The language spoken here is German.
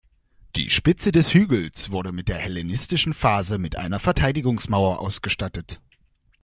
Die Spitze des Hügels wurde in der hellenistischen Phase mit einer Verteidigungsmauer ausgestattet.